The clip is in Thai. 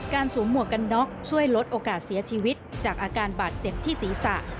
สวมหมวกกันน็อกช่วยลดโอกาสเสียชีวิตจากอาการบาดเจ็บที่ศีรษะ